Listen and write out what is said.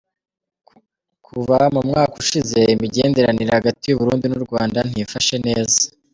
Kuva mu mwaka ushize imigenderanire hagati y'u Burundi n'u Rwanda ntiyifashe neza.